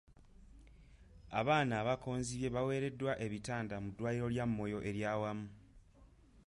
Abaana abakonzibye baaweereddwa ebitanda mu ddwaliro lya Moyo ery'awamu.